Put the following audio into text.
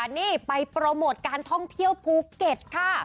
นี่ไปโปรโมทการท่องเที่ยวภูเก็ตค่ะ